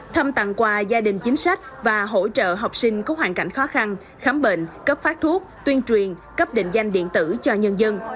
thăm tặng quà gia đình chính sách và hỗ trợ học sinh có hoàn cảnh khó khăn khám bệnh cấp phát thuốc tuyên truyền cấp định danh điện tử cho nhân dân